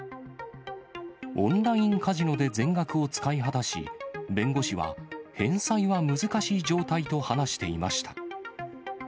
オンラインカジノで全額を使い果たし、弁護士は、返済は難しい状態と話していました。